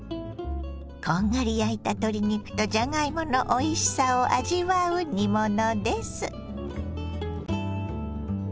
こんがり焼いた鶏肉とじゃがいものおいしさを味わう煮物です。